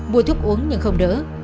mua thuốc uống nhưng không đỡ